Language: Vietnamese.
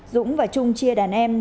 dũng và trung chia đàn em